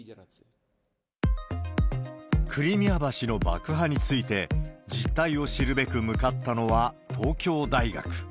クリミア橋の爆破について、実態を知るべく向かったのは、東京大学。